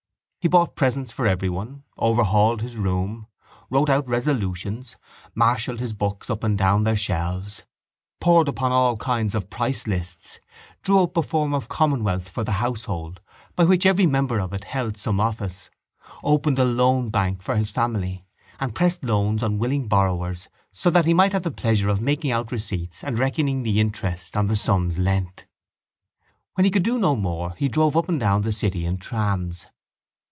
He bought presents for everyone, overhauled his room, wrote out resolutions, marshalled his books up and down their shelves, pored upon all kinds of price lists, drew up a form of commonwealth for the household by which every member of it held some office, opened a loan bank for his family and pressed loans on willing borrowers so that he might have the pleasure of making out receipts and reckoning the interests on the sums lent. When he could do no more he drove up and down the city in trams.